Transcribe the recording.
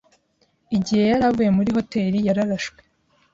Igihe yari avuye muri hoteri, yararashwe. )